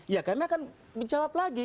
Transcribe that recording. ya kami akan menjawab lagi